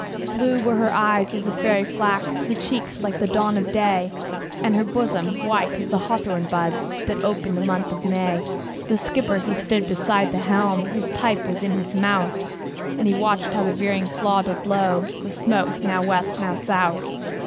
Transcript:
Blue were her eyes as the fairy flax, Her cheeks like the dawn of day, And her bosom white as the hawthorn buds The ope in the month of May. The skipper he stood beside the helm, His pipe was in his mouth, And he watched how the veering flaw did blow The smoke now West, now South.